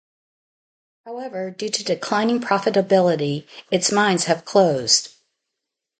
However, due to declining profitability, its mines have closed.